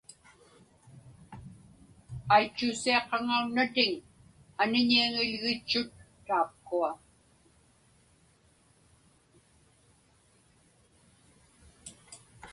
Aitchuusiaqaŋaunnatiŋ aniniaŋilgitchut taapkua.